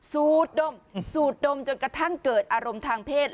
สูดดมสูดดมจนกระทั่งเกิดอารมณ์ทางเพศ